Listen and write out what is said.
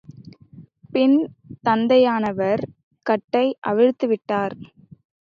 பின் தந்தையானவர் கட்டை அவிழ்த்துவிட்டார்.